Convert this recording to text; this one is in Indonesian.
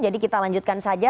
jadi kita lanjutkan saja